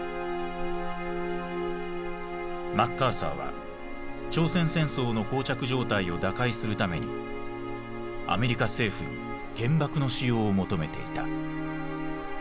マッカーサーは朝鮮戦争の膠着状態を打開するためにアメリカ政府に原爆の使用を求めていた。